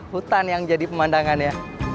hutan yang jadi pemandangannya